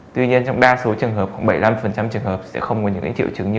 tuy nhiên trong đa số trường hợp khoảng bảy mươi năm trường hợp sẽ không có những triệu chứng như